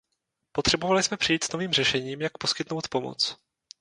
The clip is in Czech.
Potřebovali jsme přijít s novým řešením, jak poskytnout pomoc.